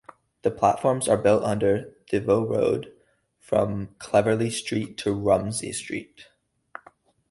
The platforms are built under Des Voeux Road from Cleverly Street to Rumsey Street.